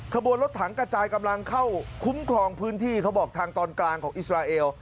ขบวนรถถังกระจายกำลังเข้าคุ้มครองพื้นที่เขาบอกทางตอนกลางของอิสราเอล